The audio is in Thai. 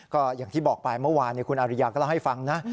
ก็อย่างที่บอกไปเมื่อวานคุณอาริยาก็เล่าให้ฟังนะ